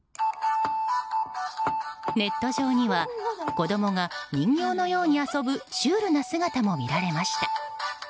ネット上には子供が人形のように遊ぶシュールな姿も見られました。